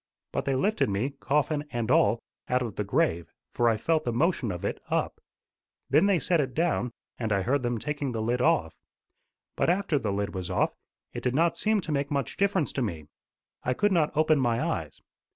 But they lifted me, coffin and all, out of the grave, for I felt the motion of it up. Then they set it down, and I heard them taking the lid off. But after the lid was off, it did not seem to make much difference to me. I could not open my eyes.